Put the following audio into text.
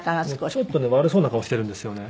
ちょっとね悪そうな顔してるんですよね。